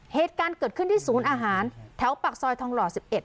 เหตุการณ์เกิดขึ้นที่ศูนย์อาหารแถวปากซอยทองหล่อ๑๑